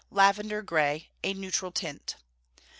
Lavender grey a neutral tint.